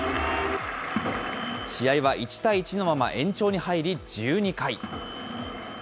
試合は１対１のまま延長に入り１２回。